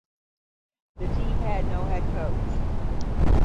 The team had no head coach.